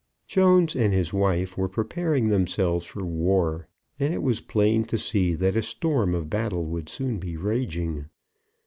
Jones and his wife were preparing themselves for war, and it was plain to see that a storm of battle would soon be raging.